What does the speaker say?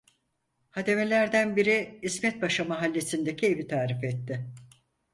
Hademelerden biri İsmetpaşa mahallesindeki evi tarif etti.